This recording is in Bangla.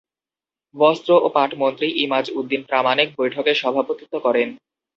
বস্ত্র ও পাটমন্ত্রী ইমাজ উদ্দিন প্রামাণিক বৈঠকে সভাপতিত্ব করেন।